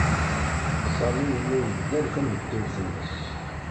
Sami yella yedder tameddurt-nnes.